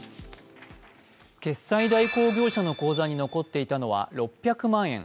決済代行業者の口座に残っていたのは６００万円。